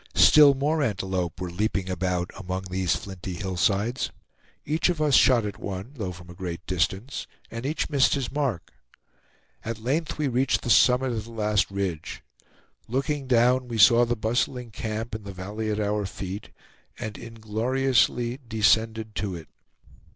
Still more antelope were leaping about among these flinty hillsides. Each of us shot at one, though from a great distance, and each missed his mark. At length we reached the summit of the last ridge. Looking down, we saw the bustling camp in the valley at our feet, and ingloriously descended to it.